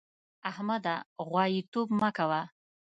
احمده! غواييتوب مه کوه.